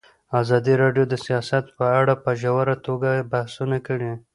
ازادي راډیو د سیاست په اړه په ژوره توګه بحثونه کړي.